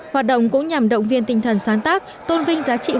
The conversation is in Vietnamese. hoạt động cũng nhằm động viên tinh thần sáng tác tôn vinh giá trị hoạt động